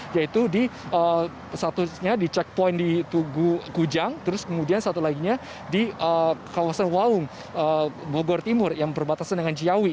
yaitu di satunya di checkpoint di tugu kujang terus kemudian satu laginya di kawasan waung bogor timur yang berbatasan dengan ciawi